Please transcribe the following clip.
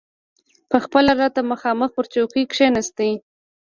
پخپله راته مخامخ پر چوکۍ کښېناست.